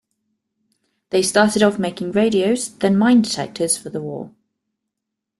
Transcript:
They started off making radios, then mine detectors for the war.